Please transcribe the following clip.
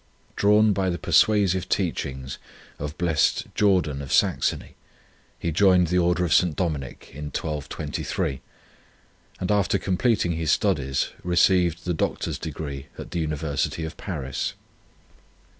Drawn by the persuasive teach ing of Blessed Jordan of Saxony, he joined the Order of St. Dominic in 1223, and after completing his studies, received the Doctor s degree at the University of Paris.